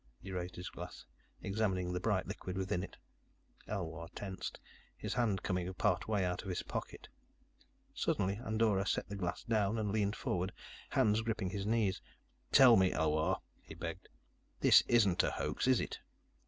He raised his glass, examining the bright liquid within it. Elwar tensed, his hand coming part way out of his pocket. Suddenly, Andorra set the glass down and leaned forward, hands gripping his knees. "Tell me, Elwar," he begged, "this isn't a hoax, is it?